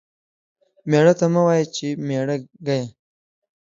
ميړه ته مه وايه چې ميړه گيه.